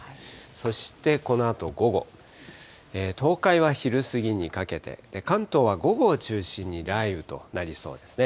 そしてこのあと午後、東海は昼過ぎにかけて、関東は午後を中心に雷雨となりそうですね。